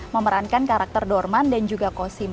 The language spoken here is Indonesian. memerankan karakter dorman dan juga kosim